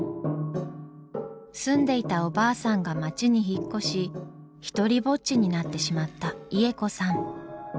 住んでいたおばあさんが町に引っ越しひとりぼっちになってしまったイエコさん。